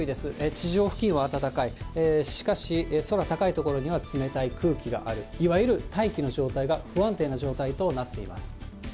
地上付近は暖かい、しかし空高い所には冷たい空気がある、いわゆる大気の状態が不安定な状態となっています。